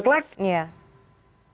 ya sudah tidak profesional miskondak